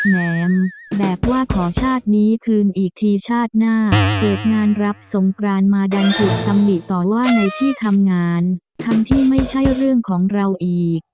แหมแบบว่าขอชาตินี้คืนอีกทีชาติหน้าเพจงานรับสงกรานมาดันถูกตำหนิต่อว่าในที่ทำงานทั้งที่ไม่ใช่เรื่องของเราอีก